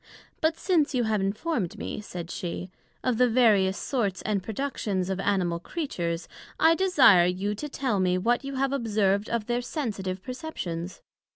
But since you have informed me, said she, of the various sorts and productions of Animal Creatures, I desire you to tell me what you have observed of their sensitive perceptions?